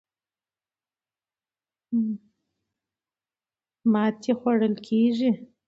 ماتې خوړل کېږي.